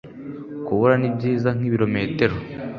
kubura nibyiza nkibirometero